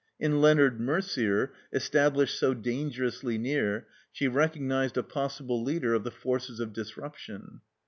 In Leonard Merder (established so dangerously near) she recognized a possible leader of the forces of disruption.